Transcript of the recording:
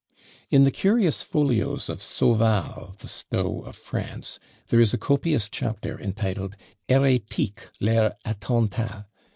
In the curious folios of Sauval, the Stowe of France, there is a copious chapter, entitled "Hérétiques, leurs attentats."